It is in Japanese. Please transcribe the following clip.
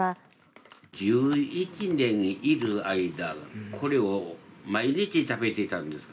１１年いる間、これを毎日食べてたんです。